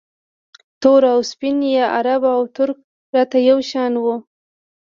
تور او سپین یا عرب او ترک راته یو شان وو